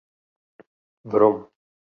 Werom.